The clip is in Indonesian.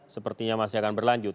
sepertinya masih akan berlanjut